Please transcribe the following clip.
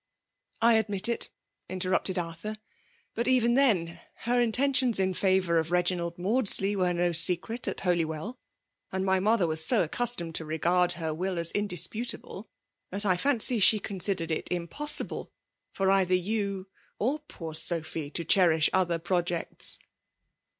"I admit it," interrupted Arthur; ''but even then, her intentions in favour of Bar ginald Maudsley were no secret at Holy well; and my mother was so accustomed to regard her will as indisputable, that I fancy she considered it impossible for either yoo or poor Sophy to cherish other projects.